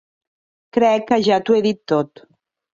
Crec que ja t'ho he dit tot.